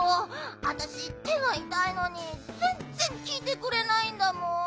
あたしてがいたいのにぜんぜんきいてくれないんだもん！